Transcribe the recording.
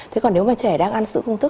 thế còn nếu mà trẻ đang ăn sữa công thức